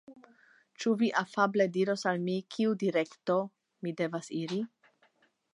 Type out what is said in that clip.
Ĉu vi afable diros al mi laŭ kiu direkto mi devas iri?